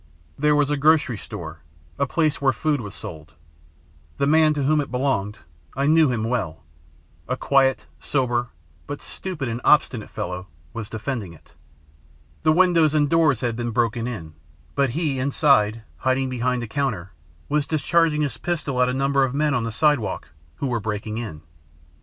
"There was a grocery store a place where food was sold. The man to whom it belonged I knew him well a quiet, sober, but stupid and obstinate fellow, was defending it. The windows and doors had been broken in, but he, inside, hiding behind a counter, was discharging his pistol at a number of men on the sidewalk who were breaking in.